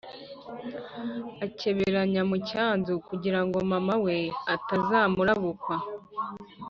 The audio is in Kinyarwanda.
Akeberanya mu cyanzu kugirango mama we atamurabukwa